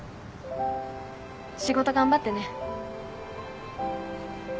仕事頑張ってね。